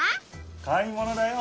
買い物だよ。